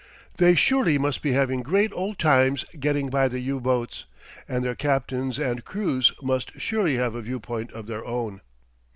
They surely must be having great old times getting by the U boats, and their captains and crews must surely have a view point of their own!